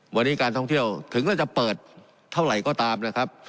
วันนี้การท่องเที่ยวถึงเราจะเปิดเท่าไหร่ก็ตามนะครับ